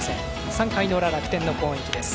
３回の裏、楽天の攻撃です。